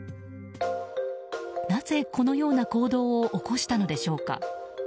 なぜ、このような行動を起こしたのでしょうか。